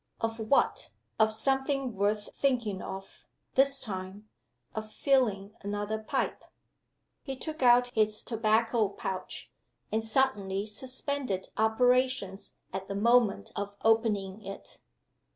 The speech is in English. Of what? Of something worth thinking of, this time of filling another pipe. He took out his tobacco pouch; and suddenly suspended operations at the moment of opening it.